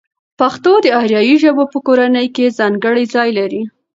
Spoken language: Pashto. پښتو د آریایي ژبو په کورنۍ کې ځانګړی ځای لري.